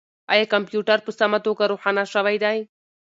آیا کمپیوټر په سمه توګه روښانه شوی دی؟